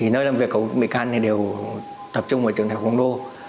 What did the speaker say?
nơi làm việc của bị can đều tập trung vào trường đại học hồng đô